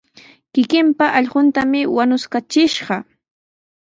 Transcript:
Kikinpa allquntami wañuskachishqa.